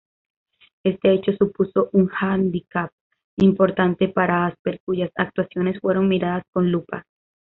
Este hecho supuso un handicap importante para Asper, cuyas actuaciones fueron miradas con lupa.